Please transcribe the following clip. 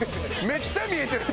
めっちゃ見えてる。